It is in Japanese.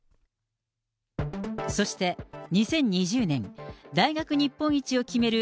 そして２０２０年、大学日本一を決める